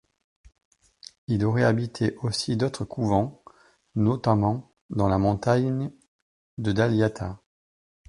Il aurait habité aussi d'autres couvents, notamment dans la montagne de Dalyatha.